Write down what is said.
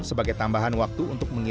sebagai tambahan waktu untuk